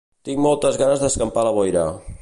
Tinc moltes ganes d'escampar la boira